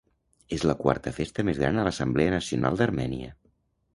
És la quarta festa més gran a l'Assemblea Nacional d'Armènia.